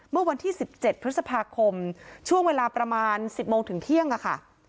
เมื่อวันที่สิบเจ็ดพฤษภาคมช่วงเวลาประมาณสิบโมงถึงเที่ยงอ่ะค่ะ